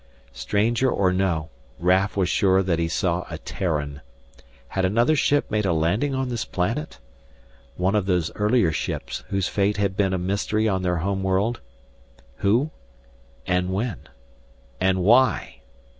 Stranger or no, Raf was sure that he saw a Terran. Had another ship made a landing on this planet? One of those earlier ships whose fate had been a mystery on their home world? Who and when and why?